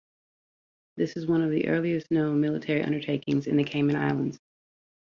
This is one of the earliest known military undertakings in the Cayman Islands.